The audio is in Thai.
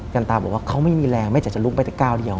กันตาบอกว่าเขาไม่มีแรงไม่แต่จะลุกไปแต่ก้าวเดียว